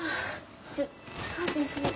ちょっカーテン閉めて。